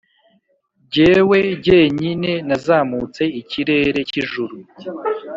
Jyewe jyenyine nazamutse ikirere cy’ijuru,